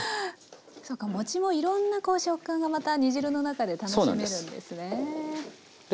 そうか餅もいろんなこう食感がまた煮汁の中で楽しめるんですね。